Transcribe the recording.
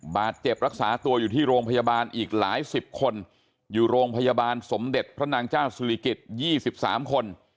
บาดเจ็บรักษาตัวอยู่ที่โรงพยาบาลอีกหลายสิบคนอยู่โรงพยาบาลสมเด็จพระนางเจ้าศิริกิจ๒๓คน